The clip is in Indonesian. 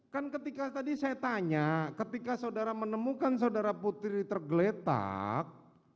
kan ketika tadi saya tanya ketika saudara menemukan saudara putri tergeletak